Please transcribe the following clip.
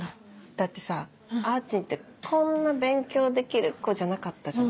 だってさあーちんってこんな勉強できる子じゃなかったじゃん。